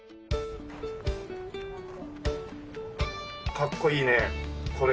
かっこいいねこれ。